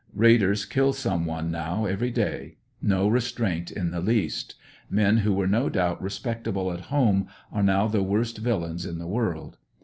Raiders kill some one now every day. No restraint in the least. Men who were no doubt respectable at home, are now the worst villains in the world.